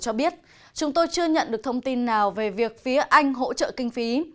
cho biết chúng tôi chưa nhận được thông tin nào về việc phía anh hỗ trợ kinh phí